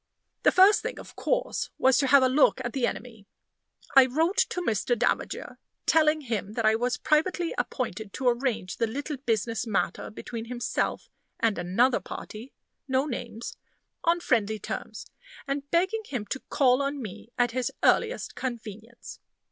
The first thing, of course, was to have a look at the enemy. I wrote to Mr. Davager, telling him that I was privately appointed to arrange the little business matter between himself and "another party" (no names!) on friendly terms; and begging him to call on me at his earliest convenience.